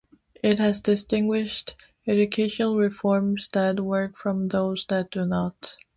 It has distinguished educational reforms that work from those that do not.